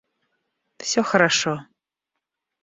Всё хорошо